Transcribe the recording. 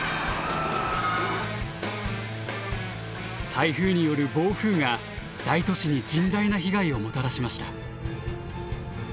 台風による暴風が大都市に甚大な被害をもたらしました。